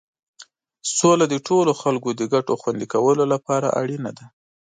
سوله د ټولو خلکو د ګټو خوندي کولو لپاره اړینه ده.